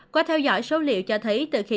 qua theo dõi số liệu cho thấy